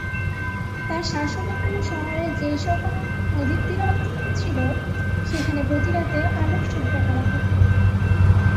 তার শাসনামলে শহরের যেসকল অংশ নদীর তীরে অবস্থিত ছিল, সেখানে প্রতি রাতে আলোক সজ্জা করা হতো।